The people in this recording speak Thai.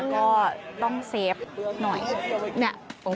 ก็ต้องเซฟหน่อย